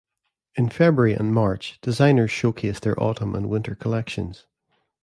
In February and March, designers showcased their autumn and winter collections.